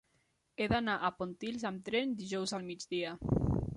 He d'anar a Pontils amb tren dijous al migdia.